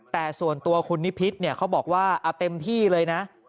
แต่ส่วนตัวคุณนิพิษเขาบอกว่าเอาเต็มที่เลยนะ